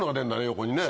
横にね。